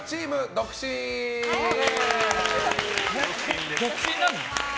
独身なの？